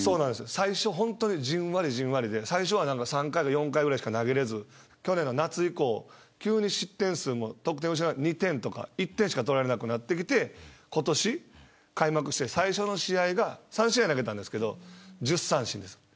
最初、本当にじんわりじんわりで最初は３回４回しか投げれず去年の夏以降急に失点数も２点とか１点しか取られなくなってきて今年、開幕して最初の試合が３試合投げたんですが１０三振です。